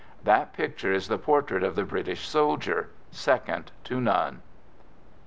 That picture is the portrait of the British soldier, second to none.